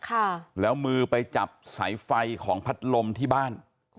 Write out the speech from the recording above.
อาดนั้นหมือไปจับสายไฟของผัดลมที่บ้าน